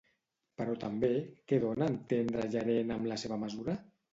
Però també què dona a entendre Llarena amb la seva mesura?